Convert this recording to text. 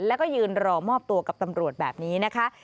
แล้วก็ยืนรอมอบตัวกับตำรวจแบบนี้นะคะ